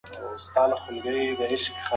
دیوالونو ته په کتو سره یې د تېر یادونه تازه شول.